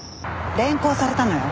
連行されたのよ。